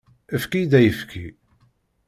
Efk-iyi-d ayefki.